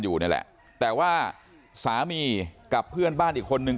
อยู่นี่แหละแต่ว่าสามีกับเพื่อนบ้านอีกคนนึง